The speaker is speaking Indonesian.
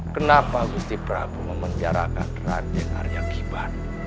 kenapa gusti prabu memendirakan raden arya kiban